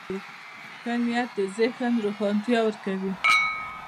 ښه نیت د ذهن روښانتیا ورکوي.